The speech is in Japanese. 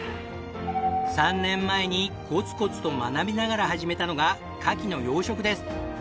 ３年前にコツコツと学びながら始めたのがカキの養殖です。